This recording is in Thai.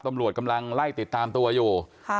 ตำรวจกำลังไล่ติดตามตัวอยู่